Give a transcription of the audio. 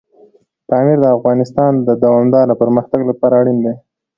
پامیر د افغانستان د دوامداره پرمختګ لپاره اړین دی.